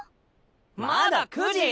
まだ９時！